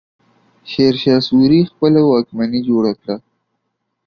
شېرشاه سوري خپله واکمني جوړه کړه.